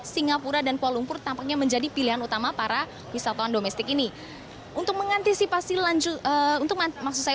singapura dan kuala lumpur tampaknya menjadi pilihan utama para wisata domestik ini